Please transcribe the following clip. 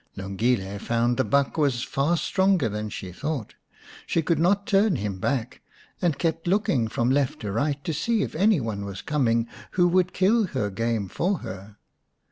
Lungile found the buck was far stronger than she thought. She could not turn him back, and kept looking from left to right to see if any one was coming who would kill her game for her.